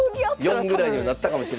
４ぐらいにはなったかもしれない。